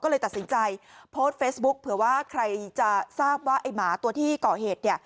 ก็เลยตัดสินใจโพสต์เฟซบุ๊คเผื่อว่าใครจะทราบว่าไอ้หมาตัวที่ก่อเหตุเนี่ย